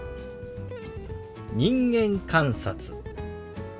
「人間観察」。